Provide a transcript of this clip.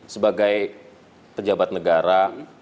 sebagai pejabat negara